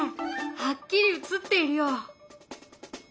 はっきり映っているよ。